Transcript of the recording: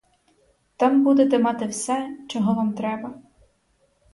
Там будете мати все, чого вам треба.